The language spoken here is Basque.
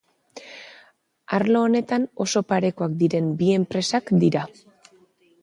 Arlo honetan oso parekoak diren bi enpresak dira.